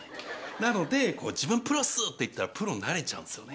なので、自分プロっすって言ったら、プロになれちゃうんですよね。